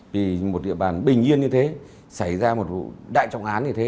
vì một địa bàn bình yên như thế xảy ra một vụ đại trọng án như thế